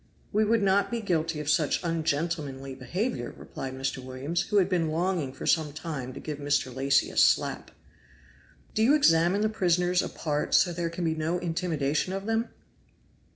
"We would not be guilty of such ungentlemanly behavior!" replied Mr. Williams, who had been longing for some time to give Mr. Lacy a slap. "Do you examine the prisoners apart, so that there can be no intimidation of them?"